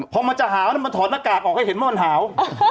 พอมันจะหาวมาถอดหน้ากากออกให้เห็นว่ามันหาว